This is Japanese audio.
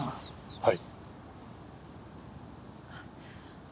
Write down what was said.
はい。